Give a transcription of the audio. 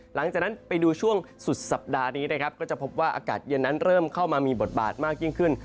หลังจากนั้นไปดูช่วงสุดสัปดาห์นี้นะครับก็จะพบว่าอากาศเย็นนั้นเริ่มเข้ามามีบทบาทมากยิ่งขึ้น